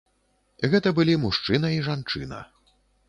Гэта былі мужчына і жанчына.